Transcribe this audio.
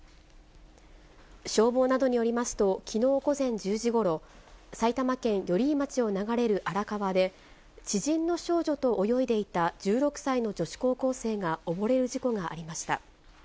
消防などによりますと、きのう午前１０時ごろ、埼玉県寄居町を流れる荒川で、知人の少女と泳いでいた１６歳の女子高校生が溺れる事故がありました。